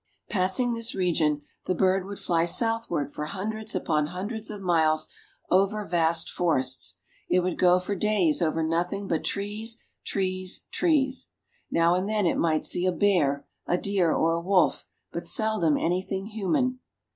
Passing this region, the bird would fly southward for hundreds upon hundreds of miles over vast forests. It would go for days over nothing but trees, trees, trees. Now and then it might see a bear, a deer, or a wolf, but seldom anything human.